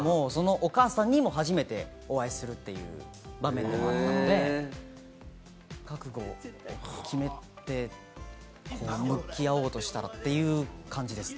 お母さんにも初めてお会いするという場面でもあったので、覚悟を決めて向き合おうとしたという感じですね。